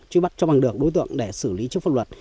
truy bắt cho bằng được đối tượng để xử lý trước pháp luật